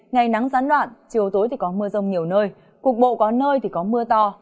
ngày nắng gián đoạn chiều tối có mưa rông nhiều nơi cuộc bộ có nơi có mưa to